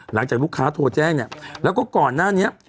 หลังจากลูกค้าโทรแจ้งเนี่ยแล้วก็ก่อนหน้านี้